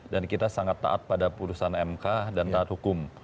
dan kita sangat taat pada keputusan mk dan taat hukum